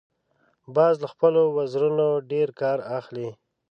باز له خپلو وزرونو ډیر کار اخلي